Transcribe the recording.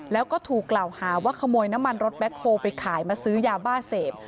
แล้วก็ถูกกล่าวหาว่าขโมยน้ำมันรถแบ็คโฮลไปขายมาซื้อยาบ้าเสพ